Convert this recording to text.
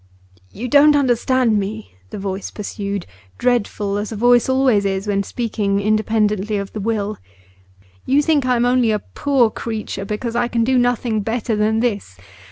'You don't understand me,' the voice pursued, dreadful as a voice always is when speaking independently of the will. 'You think I am only a poor creature, because I can do nothing better than this.